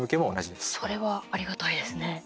それは、ありがたいですね。